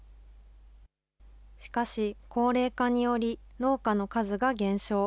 しかし、高齢化により農家の数が減少。